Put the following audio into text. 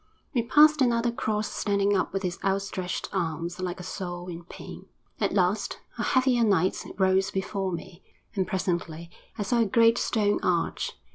We passed another cross standing up with its outstretched arms like a soul in pain. At last a heavier night rose before me, and presently I saw a great stone arch.